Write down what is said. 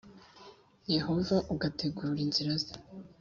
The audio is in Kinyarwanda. Yehova ugategura inzira ze